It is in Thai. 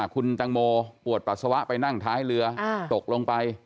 คุณตังโมปวดปัสสาวะไปนั่งท้ายเรือตกลงไป